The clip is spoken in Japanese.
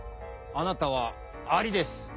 あなたはアリです。